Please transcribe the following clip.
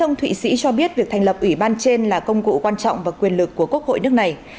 ông thụy sĩ cho biết việc thành lập ủy ban trên là công cụ quan trọng và quyền lực của quốc hội nước này